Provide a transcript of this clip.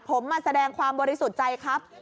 ผมมาแสดงความบริสุทธิ์ใจครับ